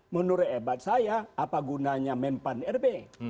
menurut hebat saya apa gunanya menpan rb